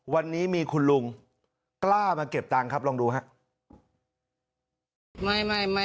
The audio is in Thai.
วันนี้มีคุณลุงกล้ามาเก็บตังค์ครับลองดูครับ